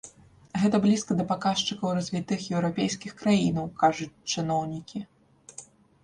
Гэта блізка да паказчыкаў развітых еўрапейскіх краінаў, кажуць чыноўнікі.